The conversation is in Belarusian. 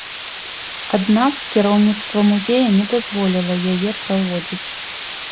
Аднак кіраўніцтва музея не дазволіла яе праводзіць.